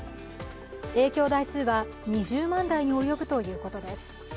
影響台数は２０万台に及ぶということです。